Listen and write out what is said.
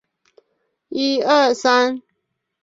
白木乌桕为大戟科乌桕属下的一个种。